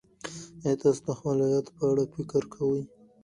ایا تاسو د خپل عاید په اړه فکر کوئ.